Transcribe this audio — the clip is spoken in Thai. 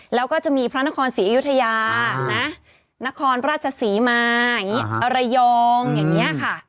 แล้วก็จะมีพระนครศรีอยุธยานะนครราชศรีมาอย่างนี้ระยองอย่างนี้ค่ะ